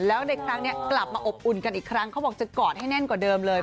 แล้วในครั้งนี้กลับมาอบอุ่นกันอีกครั้งเขาบอกจะกอดให้แน่นกว่าเดิมเลย